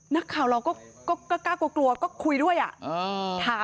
นักข่าวเราก็กล้ากลัวก็คุยด้วยอ่ะ